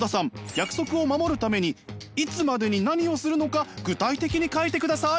約束を守るためにいつまでに何をするのか具体的に書いてください。